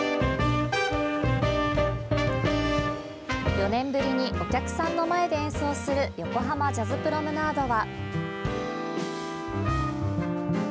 ４ 年ぶりにお客さんの前で演奏する横濱ジャズプロムナードは。